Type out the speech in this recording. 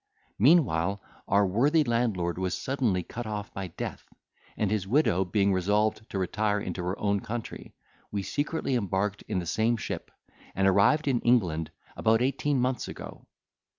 "Meanwhile our worthy landlord was suddenly cut off by death; and his widow being resolved to retire into her own country, we secretly embarked in the same ship, and arrived in England about eighteen months ago.